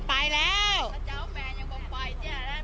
ไปแล้วสะพานไปแล้ว